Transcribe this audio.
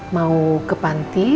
mau ke panti